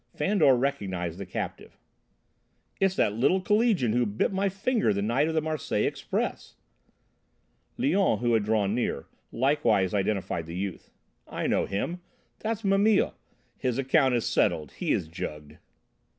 Fandor recognised the captive. "It's that little collegian who bit my finger the night of the Marseilles Express!" Léon, who had drawn near, likewise identified the youth. "I know him, that's Mimile. His account is settled, he is jugged!"